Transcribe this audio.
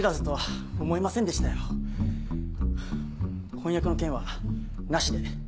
婚約の件はなしで。